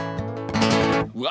うわ！